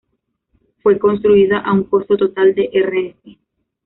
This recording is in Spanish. Fue construida a un costo total de Rs.